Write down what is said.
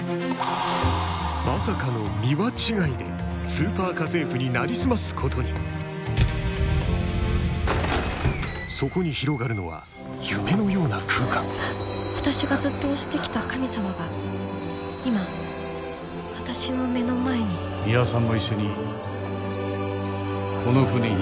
まさかの「ミワ」違いで「スーパー家政婦」になりすますことにそこに広がるのは夢のような空間私がずっと推してきた神様が今私の目の前にミワさんも一緒にこの船に乗りませんか？